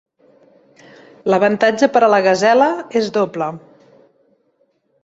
L'avantatge per a la gasela és doble.